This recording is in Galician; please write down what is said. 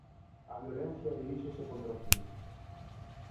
A violencia diríxese contra os civís.